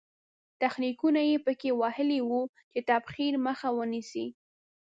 تخنیکونه یې په کې وهلي وو چې تبخیر مخه ونیسي.